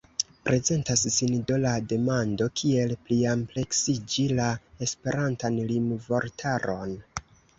Prezentas sin do la demando, kiel pliampleksiĝi la Esperantan rimvortaron.